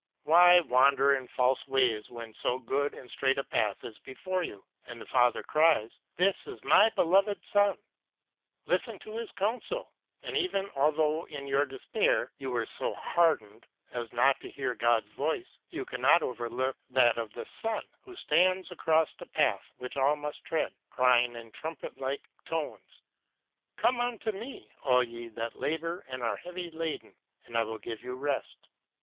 Why wander in false ways when so good and straight a path is before you, and the Father cries, " This is my beloved Son !" Listen to His counsel ! And even although in your despair you were so hardened as not to hear God's voice, you cannot overlook that of the Son, who stands across the path which all must tread, crying in trumpet like tones, " Come unto me, all ye that labour and are heavy laden, and I will give you rest."